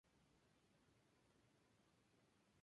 Terminó la temporada alcanzando cuartos de final en Basilea.